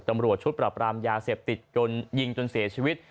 ตำรวจชุดปรับรามยาเสพติดจนยิงจนเสียชีวิต